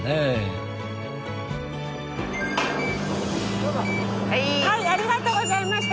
そうはいありがとうございました。